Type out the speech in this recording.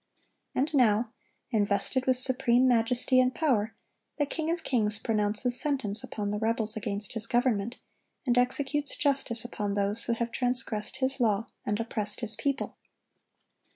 And now, invested with supreme majesty and power, the King of kings pronounces sentence upon the rebels against His government, and executes justice upon those who have transgressed His law and oppressed His people.